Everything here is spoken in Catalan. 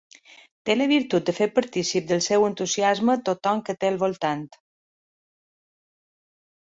Té la virtut de fer partícip del seu entusiasme tothom que té al voltant.